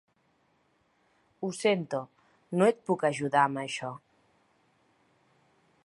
Ho sento, no et puc ajudar amb això.